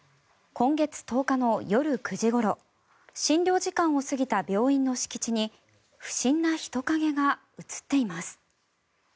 今月１０日の夜９時ごろ診療時間を過ぎた病院の敷地に不審な人影が映っています。